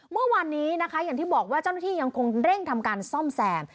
เมื่อวานนี้นะคะอย่างที่บอกว่าเจ้าหน้าที่ยังคงเร่งทำการซ่อมแซม